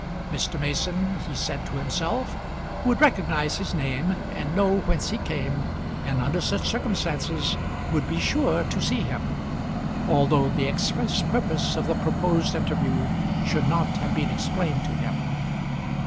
Mr. Mason, he said to himself, would recognise his name, and know whence he came, and under such circumstances would be sure to see him, although the express purpose of the proposed interview should not have been explained to him.